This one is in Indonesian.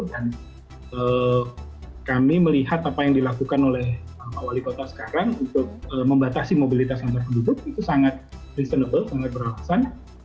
dan kami melihat apa yang dilakukan oleh wali kota sekarang untuk membatasi mobilitas antar penduduk itu sangat reasonable sangat berwakasan